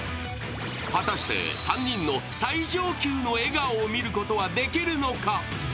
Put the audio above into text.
果たして３人の最上級の笑顔を見ることはできるのか。